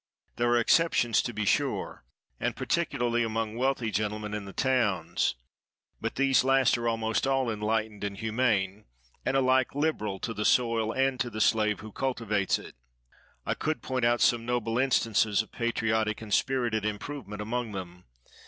There are exceptions, to be sure, and particularly among wealthy gentlemen in the towns; but these last are almost all enlightened and humane, and alike liberal to the soil and to the slave who cultivates it. I could point out some noble instances of patriotic and spirited improvement among them.